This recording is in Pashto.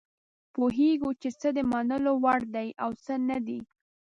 پوهیږو چې څه د منلو وړ دي او څه نه دي.